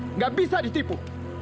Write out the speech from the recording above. tidak bisa ditipu